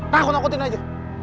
nah aku takutin aja